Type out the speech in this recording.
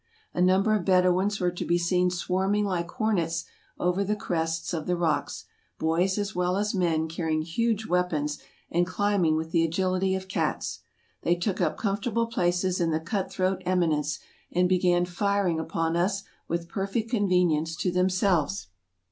A number of Bedouins were to be seen swarming like hornets over the crests of the rocks, boys as well as men carrying huge weapons, and climbing with the agility of cats. They took up comfortable places in the cut throat eminence, and began firing upon us with perfect convenience to themselves.